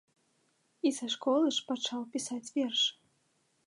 І са школы ж пачаў пісаць вершы.